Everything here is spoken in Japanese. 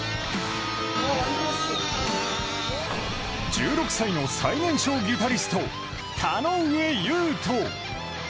１６歳の最年少ギタリスト、田上悠斗